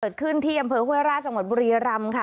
เกิดขึ้นที่อำเภอเฮ้ยราชจังหวัดบุรีรำค่ะ